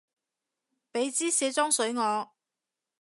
畀枝卸妝水我